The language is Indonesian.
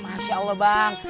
masya allah bang